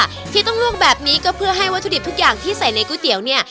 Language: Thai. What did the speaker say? ที่ต้องลวกแบบนี้ก็เพื่อให้วัตถุดิบทุกอย่างที่ใส่ในก๋วยเตี๋ยวเนี่ย